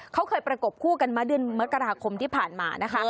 เขาเคยประกบคู่กันมาเดือนมกราคมที่ผ่านมานะคะ